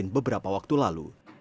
beberapa waktu lalu